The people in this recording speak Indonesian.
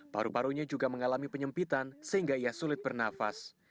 paru parunya juga mengalami penyempitan sehingga ia sulit bernafas